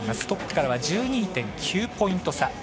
トップからは１２．９ポイント差。